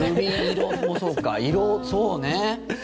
色、そうね。